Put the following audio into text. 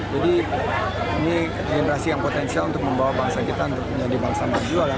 jadi ini generasi yang potensial untuk membawa bangsa kita menjadi bangsa maju